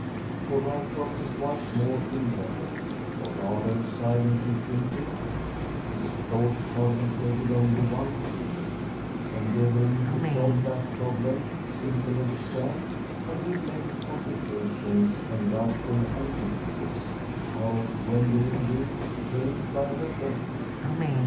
For Ryecroft is once more in reverie, or rather silently thinking; his thoughts concentrated on the one theme endeavouring to solve that problem, simple of itself but with many complications and doubtful ambiguities how Gwendoline Wynn came by her death.